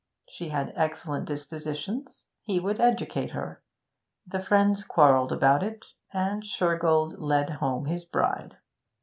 She had excellent dispositions; he would educate her. The friends quarrelled about it, and Shergold led home his bride.